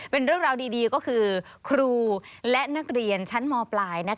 เป็นเรื่องราวดีก็คือครูและนักเรียนชั้นมปลาย